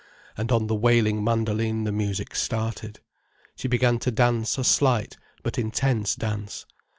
And on the wailing mandoline the music started. She began to dance a slight but intense dance.